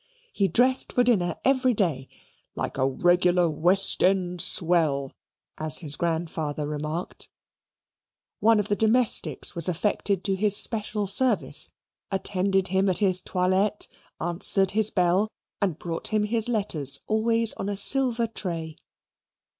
He dressed for dinner every day, "like a regular West End swell," as his grandfather remarked; one of the domestics was affected to his special service, attended him at his toilette, answered his bell, and brought him his letters always on a silver tray.